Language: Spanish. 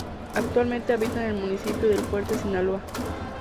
Actualmente habitan en el municipio de El fuerte, Sinaloa.